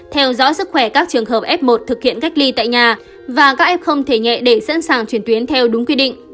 theo dõi sức khỏe các trường hợp f một thực hiện cách ly tại nhà và các f không thể nhẹ để sẵn sàng chuyển tuyến theo đúng quy định